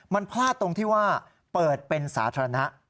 มันพลาดตรงที่ว่าเปิดเป็นสาธารณะ